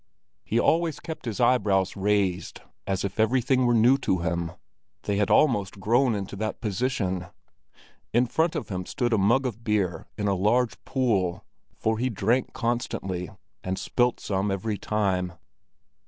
He always kept his eyebrows raised, as if everything were new to him; they had almost grown into that position. In front of him stood a mug of beer in a large pool, for he drank constantly and spilt some every time.